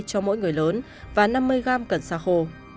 cho mỗi người lớn và năm mươi gram cần xa khô